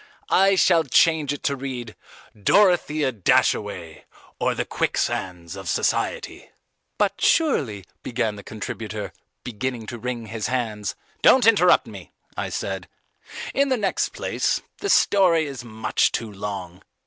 I shall change it to read Dorothea Dashaway, or, The Quicksands of Society." "But surely," began the contributor, beginning to wring his hands "Don't interrupt me," I said. "In the next place, the story is much too long."